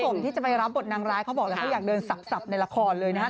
สมที่จะไปรับบทนางร้ายเขาบอกแล้วเขาอยากเดินสับในละครเลยนะครับ